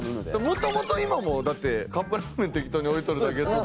元々今もカップラーメン適当に置いとるだけって。